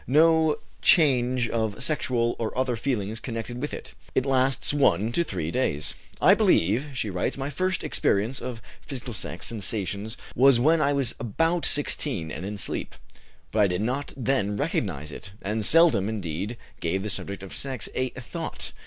No change of sexual or other feelings connected with it; it lasts one to three days. "I believe," she writes, "my first experience of physical sex sensations was when I was about 16, and in sleep. But I did not then recognize it, and seldom, indeed, gave the subject of sex a thought.